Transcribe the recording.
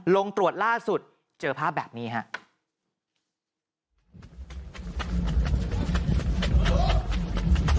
ลงตรวจล่าสุดเจอภาพแบบนี้ครับ